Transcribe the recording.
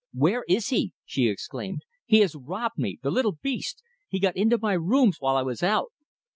"Where is he?" she exclaimed. "He has robbed me. The little beast! He got into my rooms while I was out."